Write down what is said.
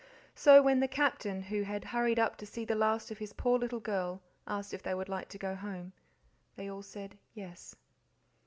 So when the Captain, who had hurried up to see the last of his poor little girl, asked if they would like to go home, they all said "Yes."